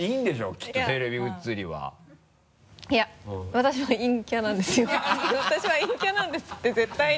私は陰キャなんですって絶対に。